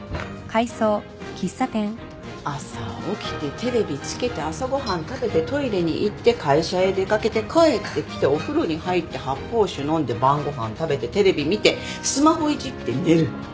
朝起きてテレビつけて朝ご飯食べてトイレに行って会社へ出掛けて帰ってきてお風呂に入って発泡酒飲んで晩ご飯食べてテレビ見てスマホいじって寝る